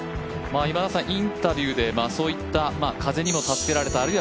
インタビューでそういった、風にも助けられた。